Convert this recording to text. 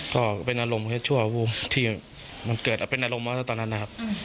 ก็เป็นอารมณ์แค่ชั่ววูบที่มันเกิดเป็นอารมณ์มาแล้วตอนนั้นนะครับ